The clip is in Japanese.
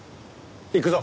行くぞ。